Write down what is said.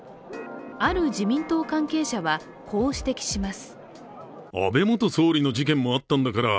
ある自民党関係者は、こう指摘します。